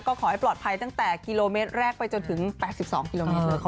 ก็ขอให้ปลอดภัยตั้งแต่กิโลเมตรแรกไปจนถึง๘๒กิโลเมตร